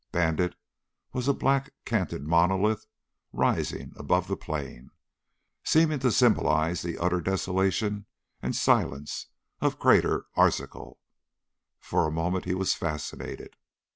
Bandit was a black canted monolith rising above the plain, seeming to symbolize the utter desolation and silence of Crater Arzachel. For a moment he was fascinated.